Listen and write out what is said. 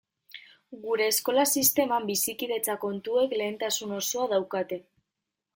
Gure eskola sisteman bizikidetza kontuek lehentasun osoa daukate.